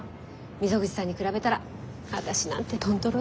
溝口さんに比べたら私なんて豚トロよ。